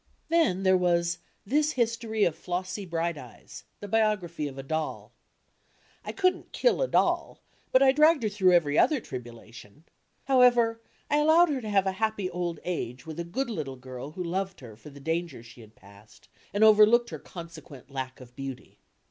Then there was "This History of Flossy Brighteyes," IS7l b, Google the biography of a doll. I couldn't kilt a dotl, but I dragged her through every other tribulation. However, I allowed her to have a happy old age with a good little girl who loved her for the dangers she had passed and overlooked her consequent lack of beauty.